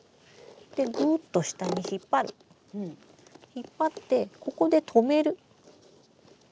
引っ張ってここで留める。